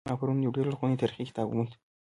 ما پرون یو ډیر لرغنۍتاریخي کتاب وموند